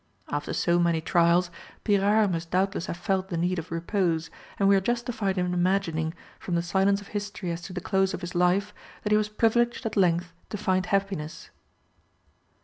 After so many trials, Pyrard must doubtless have felt the need of repose, and we are justified in imagining, from the silence of history as to the close of his life, that he was privileged at length to find happiness.